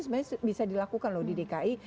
sebenarnya bisa dilakukan loh di dki